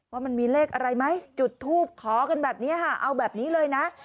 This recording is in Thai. ว่ามันมีเลขอะไรไหมจุดทูบขอกันแบบนี้ค่ะเอาแบบนี้เลยนะ